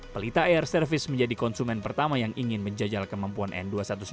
pelita air service menjadi konsumen pertama yang ingin menjajal kemampuan n dua ratus sembilan belas